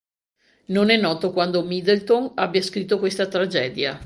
Non è noto quando Middleton abbia scritto questa tragedia.